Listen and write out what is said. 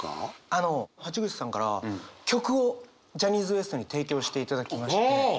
あの橋口さんから曲をジャニーズＷＥＳＴに提供していただきまして。